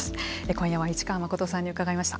今夜は一川誠さんに伺いました。